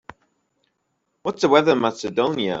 What's the weather in Macedonia